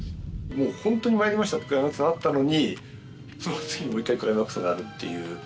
もうホントに参りましたってクライマックスあったのにその次にもう１回クライマックスがあるっていう。